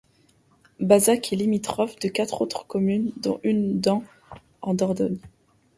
Bazac est limitrophe de quatre autres communes, dont une dans en Dordogne.